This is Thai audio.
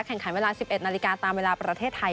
แข่งขันเวลา๑๑นาฬิกาตามเวลาประเทศไทย